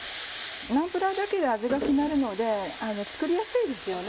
ナンプラーだけで味が決まるので作りやすいですよね。